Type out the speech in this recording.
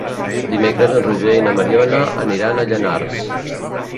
Dimecres en Roger i na Mariona aniran a Llanars.